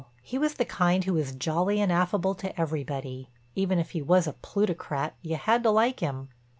He was the kind who was jolly and affable to everybody; even if he was a plutocrat you had to like him.